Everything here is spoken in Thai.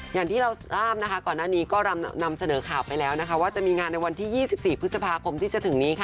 อย่างที่เราทราบนะคะก่อนหน้านี้ก็นำเสนอข่าวไปแล้วนะคะว่าจะมีงานในวันที่๒๔พฤษภาคมที่จะถึงนี้ค่ะ